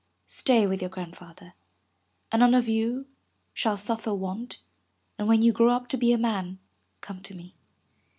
''Stay with your Grand father, and none of you shall suffer want, and when you grow to be a man, come to me.